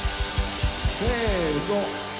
せの。